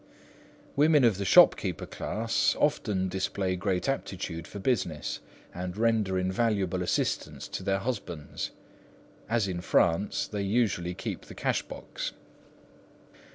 Women of the shopkeeper class often display great aptitude for business, and render invaluable assistance to their husbands. As in France, they usually keep the cash box.